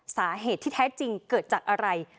สาเหตุที่แท้จริงเกิดจากอะไร